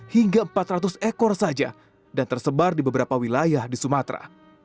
hingga empat ratus ekor saja dan tersebar di beberapa wilayah di sumatera